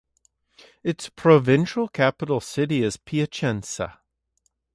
Its provincial capital is the city Piacenza.